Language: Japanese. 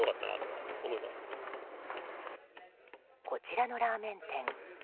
こちらのラーメン店。